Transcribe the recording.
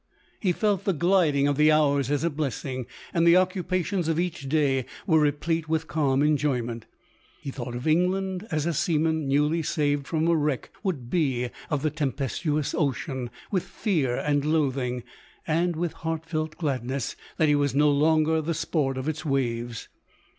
He felt the gliding of the hours as a blessing; and the occupations of each day were replete with calm enjoyment. He thought of England, as a seaman newly saved from a wreck would of the tempestuous ocean, with fear and loathing, and with heart felt gladness that he was no longer the sport of its waves.